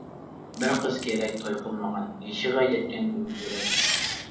بىر قىز كېرەك، توي قىلمىغان يېشىغا يەتكەن گۈل كېرەك.